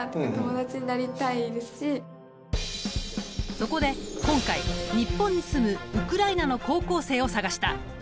そこで今回日本に住むウクライナの高校生を探した。